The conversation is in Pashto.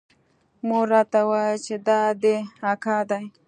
مور راته وويل چې دا دې اکا دى.